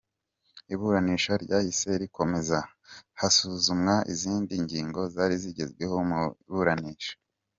Iburanisha ryahise rikomeza, hasuzumwa izindi ngingo zari zigezweho mu iburanisha.